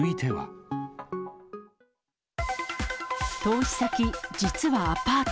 投資先、実はアパート。